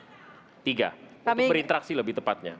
untuk berinteraksi lebih tepatnya